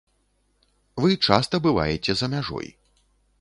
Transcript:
Вы часта бываеце за мяжой.